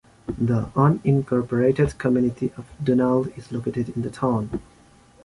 The unincorporated community of Donald is located in the town.